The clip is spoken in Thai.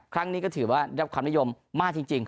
ครั้งนี้ก็ถือว่าได้รับความนิยมมากจริง